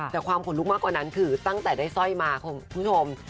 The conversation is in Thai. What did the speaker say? แต่ความขนลุกมากกว่านั้นคือตั้งแต่ได้สร้อยมาคุณผู้ชม